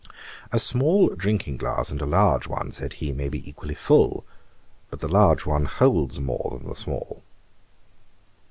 'A small drinking glass and a large one, (said he,) may be equally full; but the large one holds more than the small.'